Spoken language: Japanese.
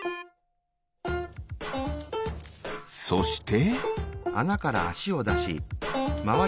そして。